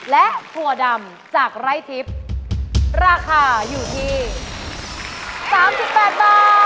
และถั่วดำจากไร้ทิพย์ราคาอยู่ที่๓๘บาท